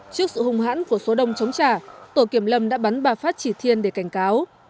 trước sự hung hãn của số đông chống trả tổ kiểm lâm đã bắn bà phát chỉ thiên để cảnh cáo